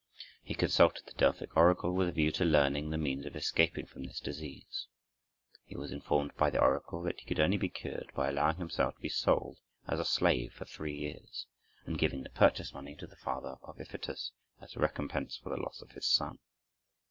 He consulted the Delphic oracle with a view to learning the means of escaping from this disease. He was informed by the oracle that he could only be cured by allowing himself to be sold as a slave for three years, and giving the purchase money to the father of Iphitus as recompense for the loss of his son.